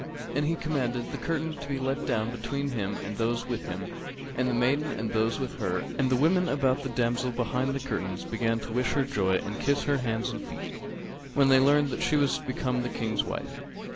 and he commanded the curtain to be let down between him and those with him and the maiden and those with her; and the women about the damsel behind the curtains began to wish her joy and kiss her hands and feet, when they learned that she was become the King's wife.